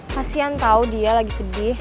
kasian tahu dia lagi sedih